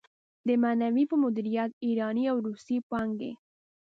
د معنوي په مديريت ايراني او روسي پانګې.